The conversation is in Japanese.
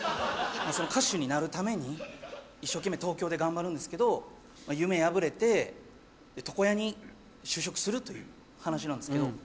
その歌手になるために一生懸命東京で頑張るんですけど夢破れて床屋に就職するという話なんですけど。